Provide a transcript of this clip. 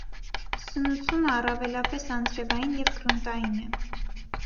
Սնուցումը առավելապես անձրևային և գրունտային է։